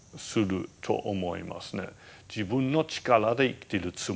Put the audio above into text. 自分の力で生きているつもり。